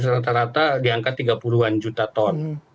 rata rata diangkat tiga puluh an juta ton